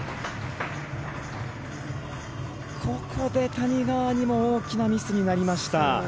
ここで谷川にも大きなミスになりました。